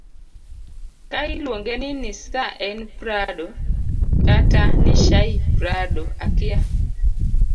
ka iluonge ni nisaa en prado kata nishaiprado akia